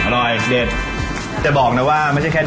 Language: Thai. เราก็มากินกัน